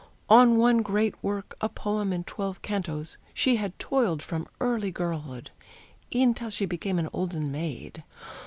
On one great work, A poem in twelve cantos, she had toiled From early girlhood, e'en till she became An olden maid.